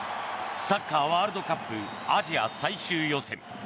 サッカーワールドカップアジア最終予選。